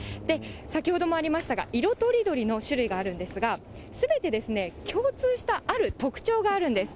先ほどもありましたが、色とりどりの種類があるんですが、すべて共通したある特徴があるんです。